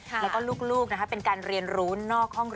ค่ะแล้วก็